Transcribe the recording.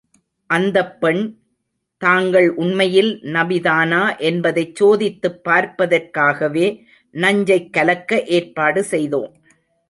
அந்தப் பெண், தாங்கள் உண்மையில் நபிதானா என்பதைச் சோதித்துப் பார்ப்பதற்காகவே, நஞ்சைக் கலக்க ஏற்பாடு செய்தோம்.